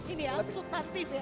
ini ya substantif ya